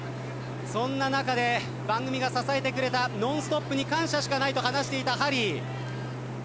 そんな中で番組が支えてくれた『ノンストップ！』に感謝しかないと話していたハリー。